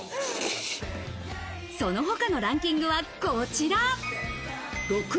その他のランキングは、こちら。